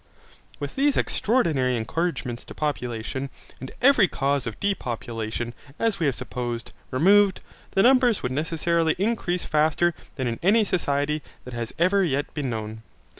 With these extraordinary encouragements to population, and every cause of depopulation, as we have supposed, removed, the numbers would necessarily increase faster than in any society that has ever yet been known.